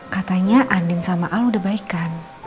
katanya andin sama al udah baikan